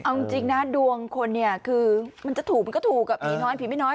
เอาจริงนะดวงคนเนี่ยคือมันจะถูกมันก็ถูกผีน้อยผีไม่น้อย